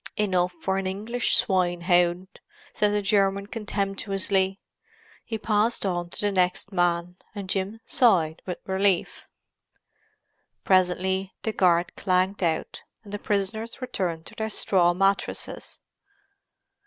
"Enough for an English swine hound," said the German contemptuously. He passed on to the next man, and Jim sighed with relief. Presently the guard clanked out, and the prisoners returned to their straw mattresses.